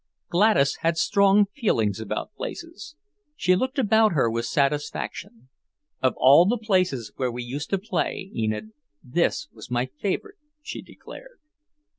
Gladys had strong feelings about places. She looked around her with satisfaction. "Of all the places where we used to play, Enid, this was my favourite," she declared.